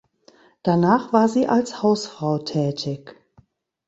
Danach war sie als Hausfrau tätig.